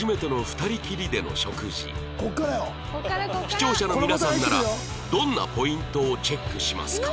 視聴者の皆さんならどんなポイントをチェックしますか？